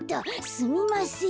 すみません。